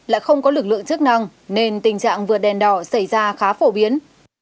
lại không có lực lượng chức năng nên tình trạng vượt đèn đỏ xảy ra khá phổ biến